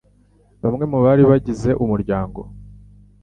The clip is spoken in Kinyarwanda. bamwe mu bari bagize umuryango